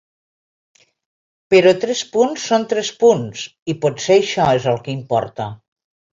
Però tres punts són tres punts, i potser això és el que importa.